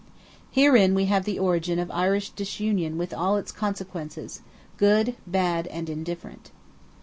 Herein, we have the origin of Irish disunion with all its consequences, good, bad, and indifferent.